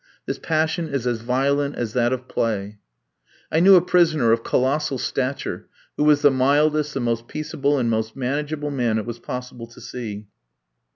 This passion is as violent as that of play. I knew a prisoner of colossal stature who was the mildest, the most peaceable, and most manageable man it was possible to see.